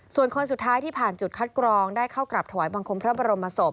ส่วนคนสุดท้ายที่ผ่านจุดคัดกรองได้เข้ากราบถวายบังคมพระบรมศพ